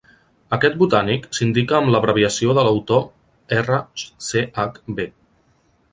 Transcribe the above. Aquest botànic s'indica amb l'abreviació de l'autor Rchb.